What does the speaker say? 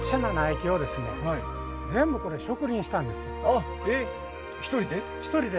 あっえっ１人で？